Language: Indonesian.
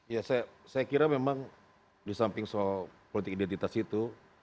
ya saya kira memang disamping soal politik identitas itu